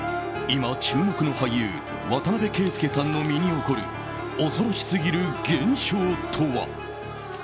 今、注目の俳優渡邊圭祐さんの身に起こる恐ろしすぎる現象とは。